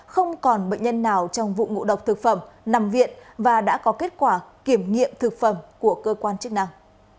không còn bệnh nhân nào trong vụ ngộ độc thực phẩm nằm viện và đã có kết quả kiểm nghiệm thực phẩm của cơ quan chức năng